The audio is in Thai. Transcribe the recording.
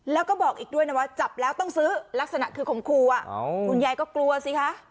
แล้วก็บอกอีกด้วยนะว่าจับแล้วต้องซื้อลักษณะคือขมครูคุณยายก็กลัวสิคะ